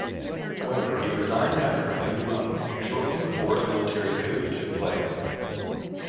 However, he resigned after a few months, shortly before a military coup took place.